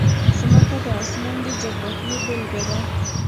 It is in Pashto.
ځمکه د افغانستان د جغرافیې بېلګه ده.